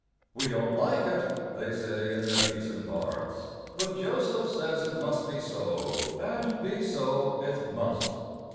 "We don't like it," they say in their decent hearts; "But Joseph says it must be so, and be so it must."